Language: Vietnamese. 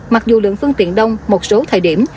mặc dù lượng phương tiện đông một số thời điểm